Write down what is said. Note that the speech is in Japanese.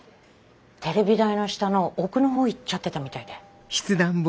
テレビ台の下の奥の方行っちゃってたみたいで。